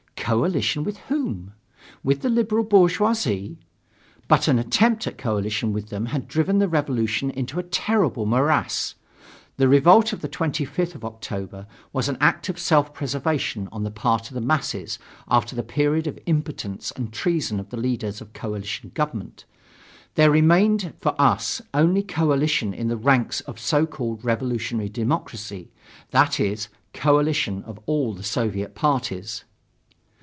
Coalition with whom? With the liberal bourgeoisie. But an attempt at coalition with them had driven the revolution into a terrible morass. The revolt of the 25th of October was an act of self preservation on the part of the masses after the period of impotence and treason of the leaders of coalition government. There remained for us only coalition in the ranks of so called revolutionary democracy, that is, coalition of all the Soviet parties.